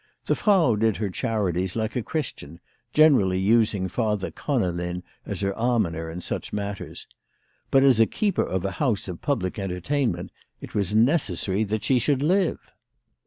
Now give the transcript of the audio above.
The Frau did her charities like a Christian, generally using Father Conolin as her almoner in such matters. But, as a keeper of a house of public entertainment, it was necessary that she should live.